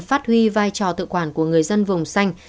phát huy vai trò tự quản của người dân vùng xanh